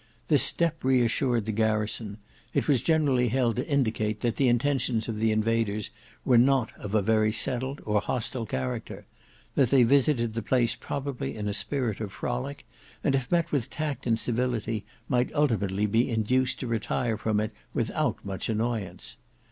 This step re assured the garrison: it was generally held to indicate that the intentions of the invaders were not of a very settled or hostile character; that they had visited the place probably in a spirit of frolic, and if met with tact and civility might ultimately be induced to retire from it without much annoyance.